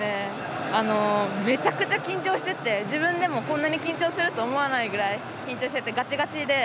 めちゃくちゃ緊張してて自分でもこんなに緊張すると思わないぐらい緊張してて、ガチガチで。